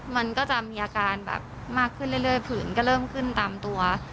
มันก็จะมีอาการแบบมากขึ้นเรื่อยผืนก็เริ่มขึ้นตามตัว